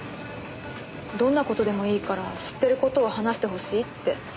どんな事でもいいから知ってる事を話してほしいって。